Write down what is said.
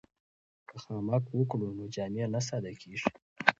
که خامک وکړو نو جامې نه ساده کیږي.